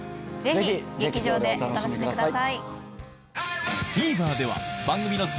ぜひ劇場でお楽しみください。